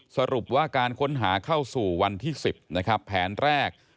สรุปว่าการค้นหาเข้าสู่วันที่๑๐นะครับแผนแรก